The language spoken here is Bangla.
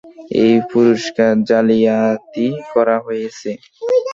এই পুরষ্কার জালিয়াতি করা হয়েছে।